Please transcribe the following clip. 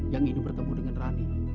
yang ingin bertemu dengan rani